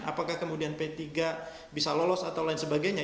apakah kemudian p tiga bisa lolos atau lain sebagainya